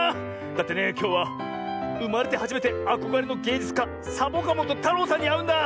だってねきょうはうまれてはじめてあこがれのげいじゅつかサボカもとたろうさんにあうんだ。